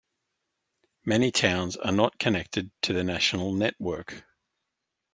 Many towns are not connected to the national network.